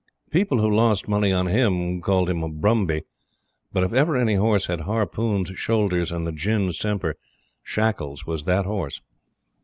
People who lost money on him called him a "brumby;" but if ever any horse had Harpoon's shoulders and The Gin's temper, Shackles was that horse.